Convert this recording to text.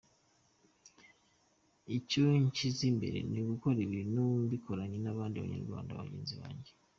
Icyo nshyize mbere ni ugukora ibintu mbikoranye n’abandi banyarwanda bagenzi banjye.